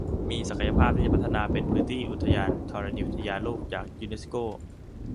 มีศักยภาพที่จะพัฒนาเป็นพื้นที่อุทยานธรณีวิทยาโลกจากยูเนสโก